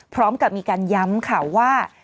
พร้อมกับมีการย้ำค่ะว่า